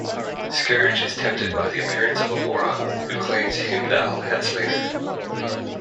Skurge is tempted by the appearance of Amora, who claims Heimdall had slain her.